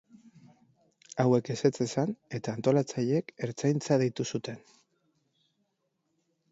Hauek ezetz esan eta antolatzaileek Ertzaintza deitu zuten.